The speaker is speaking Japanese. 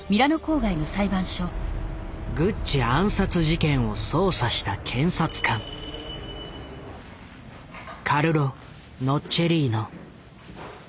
グッチ暗殺事件を捜査した検察官カルロ・ノッチェリーノ。